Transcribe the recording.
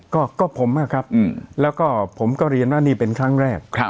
ก็ผมนะครับแล้วก็ผมก็เรียนว่านี่เป็นครั้งแรก